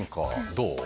どう？